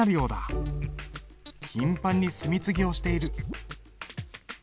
頻繁に墨継ぎをしている。